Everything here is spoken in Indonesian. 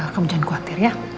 kamu jangan khawatir ya